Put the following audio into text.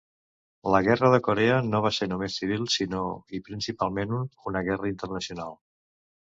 La Guerra de Corea no va ser només civil, sinó, i principalment, una guerra internacional.